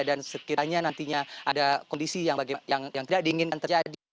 dan sekiranya nantinya ada kondisi yang tidak diinginkan terjadi